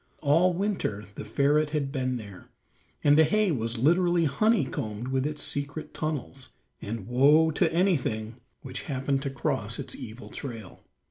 All winter the ferret had been there, and the hay was literally honeycombed with its secret tunnels, and woe to anything which happened to cross its evil trail.